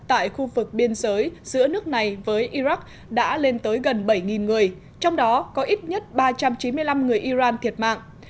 tại khu vực biên giới giữa nước này với iraq đã lên tới gần bảy người trong đó có ít nhất ba trăm chín mươi năm người iran thiệt mạng